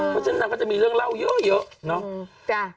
เพราะฉะนั้นนางก็จะมีเรื่องเล่าเยอะเนาะ